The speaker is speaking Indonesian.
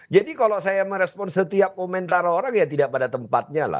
jadi kalau saya merespon setiap komentar orang ya tidak pada tempatnya lah